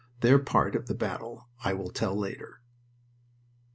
Their part of the battle I will tell later.